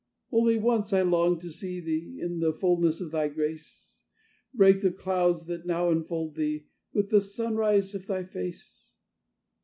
"Only once I long to see Thee, in the fulness of Thy grace: Break the clouds that now enfold Thee, with the sunrise of Thy face!